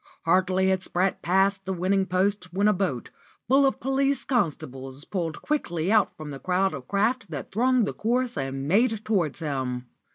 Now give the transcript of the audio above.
Hardly had Spratt passed the winning post when a boat, full of police constables, pulled quickly out from the crowd of craft that thronged the course and made towards him.